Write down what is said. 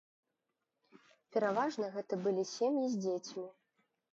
Пераважна гэта былі сем'і з дзецьмі.